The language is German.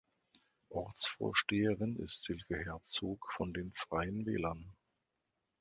Ortsvorsteherin ist Silke Herzog von den Freien Wählern.